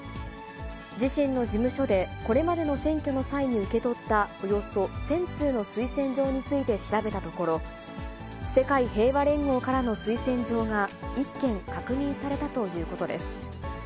自身の事務所でこれまでの選挙の際に受け取ったおよそ１０００通の推薦状について調べたところ、世界平和連合からの推薦状が１件確認されたということです。